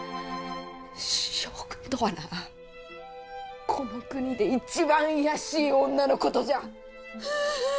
将軍とはなこの国で一番卑しい女のことじゃ！